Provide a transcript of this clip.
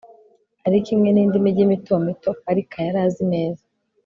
ari kimwe n'indi mijyi mito mito parker yari azi neza